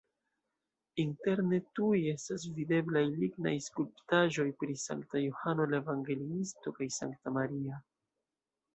Interne tuj estas videblaj lignaj skulptaĵoj pri Sankta Johano la Evangeliisto kaj Sankta Maria.